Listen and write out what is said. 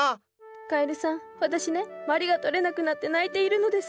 カエルさん私ねまりが取れなくなって泣いているのです。